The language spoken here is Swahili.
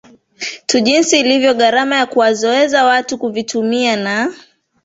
tu jinsi ilivyo gharama ya kuwazoeza watu kuvitumia na